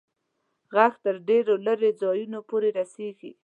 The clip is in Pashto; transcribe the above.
ږغ تر ډېرو لیري ځایونو پوري رسیږي.